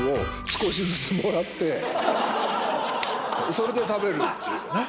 それで食べるっていうね。